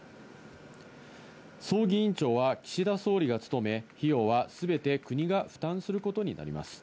葬儀委員長は岸田総理が務め、費用は全て国が負担することになります。